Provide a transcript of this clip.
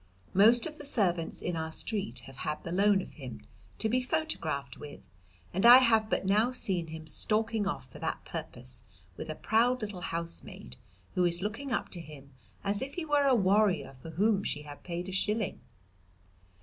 Most of the servants in our street have had the loan of him to be photographed with, and I have but now seen him stalking off for that purpose with a proud little housemaid who is looking up to him as if he were a warrior for whom she had paid a shilling.